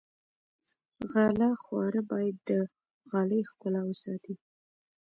غاله خواره باید د غالۍ ښکلا وساتي.